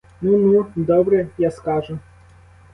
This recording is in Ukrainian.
Ну-ну, добре, я скажу.